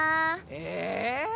え！？